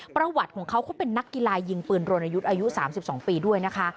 ประวัติของเขาเขาเป็นนักกีฬายิงปืนรณยุทธ์อายุ๓๒ปีด้วยนะคะ